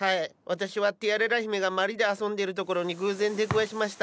私はティアレラ姫がまりで遊んでるところに偶然出くわしました。